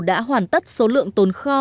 đã hoàn tất số lượng tồn kho